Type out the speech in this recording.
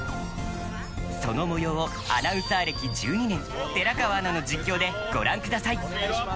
その模様をアナウンサー歴１２年寺川アナの実況でご覧ください。